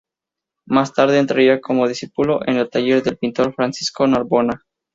Más tarde entraría como discípulo en el taller del pintor Francisco Narbona.